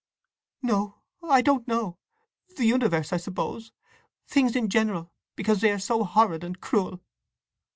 "No—I don't know! The universe, I suppose—things in general, because they are so horrid and cruel!"